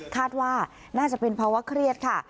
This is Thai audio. คาดว่าน่าจะเป็นภาวะเครียดค่ะ